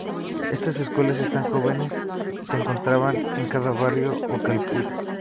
Estas escuelas para jóvenes se encontraban en cada barrio o calpulli.